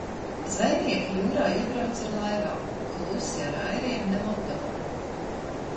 Zvejnieki jūrā iebrauca ar laivām, klusi ar airiem, ne motoru.